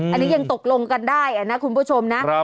อันนี้ยังตกลงกันได้นะคุณผู้ชมนะ